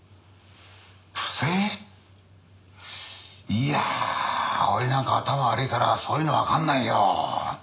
いや俺なんか頭悪いからそういうのわかんないよ。